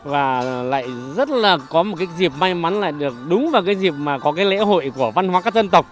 và lại rất là có một cái dịp may mắn là được đúng vào cái dịp mà có cái lễ hội của văn hóa các dân tộc